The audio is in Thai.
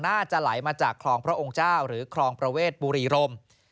น่าจะไหลมาจากคลองพระองค์เจ้าหรือคลองประเวทบุรีรม